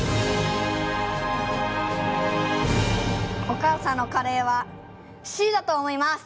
お母さんのカレーはＣだと思います。